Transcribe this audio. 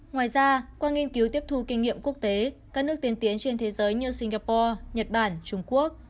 ngoài ra qua nghiên cứu tiếp thu kinh nghiệm quốc tế các nước tiên tiến trên thế giới như singapore nhật bản trung quốc